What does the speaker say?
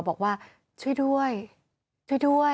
ก็บอกว่าช่วยด้วย